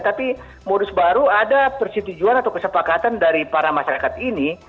tapi modus baru ada persetujuan atau kesepakatan dari para masyarakat ini